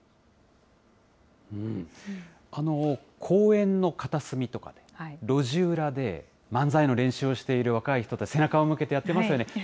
公園の片隅とか、路地裏で、漫才の練習をしている若い人、背中を向けてやってますよね。